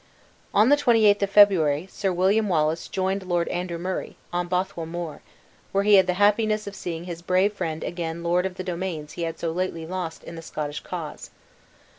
On the twenty eighth of February, Sir William Wallace joined Lord Andrew Murray, on Bothwell Moor, where he had the happiness of seeing his brave friend again lord of the domains he had so lately lost in the Scottish cause.